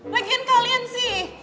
lagian kalian sih